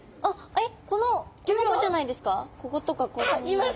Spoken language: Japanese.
えっ？